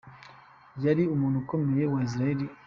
Yari umuntu ukomeye wa Israel n’uw’Isi.